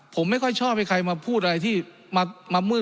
ผมไม่ค่อยชอบให้ใครมาพูดอะไรที่มามืด